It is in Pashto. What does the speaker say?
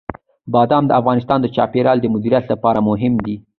بادام د افغانستان د چاپیریال د مدیریت لپاره مهم دي.